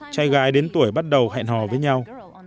trai gái đến tuổi bắt đầu hẹn hò với nhau